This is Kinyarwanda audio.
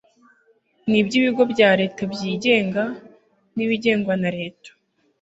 n iby ibigo bya Leta byigenga n ibigengwa na Leta